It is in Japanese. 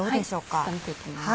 ちょっと見ていきます。